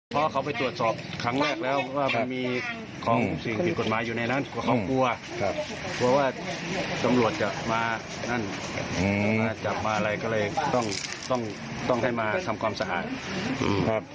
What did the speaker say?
เพราะว่าตำรวจจะมานั่นจับมาอะไรก็เลยต้องให้มาทำความสะอาด